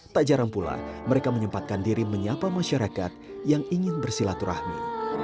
tak jarang pula mereka menyempatkan diri menyapa masyarakat yang ingin bersilaturahmi